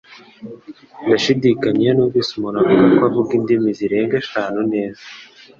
Ndashidikanya iyo numvise umuntu avuga ko avuga indimi zirenga eshanu neza